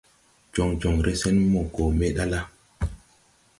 Jon jonre sen mo go me da la.